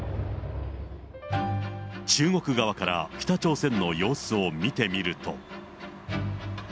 中国側から北朝鮮の様子を見てみると。